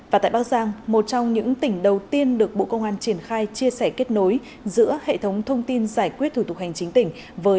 và tại bắc giang một trong những tỉnh đầu tiên được bộ công an triển khai chia sẻ kết nối giữa hệ thống thông tin giải quyết thủ tục hành chính tỉnh